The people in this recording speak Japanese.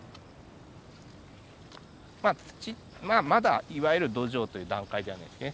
土まあまだいわゆる土壌という段階ではないですね。